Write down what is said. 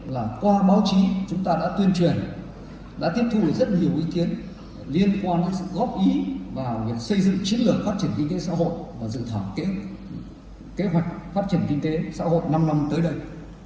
là qua báo chí chúng ta đã tuyên truyền đã tiếp thu được rất nhiều ý kiến liên quan đến sự góp ý vào xây dựng chiến lược phát triển kinh tế xã hội và dự thảo kế hoạch phát triển kinh tế xã hội năm năm tới đây